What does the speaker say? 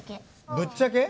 ぶっちゃけ？